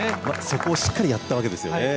そこをしっかりやったわけですね。